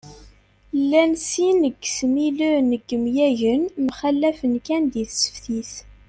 Llan sin n yesmilen n yemyagen, mxallafen kan di tseftit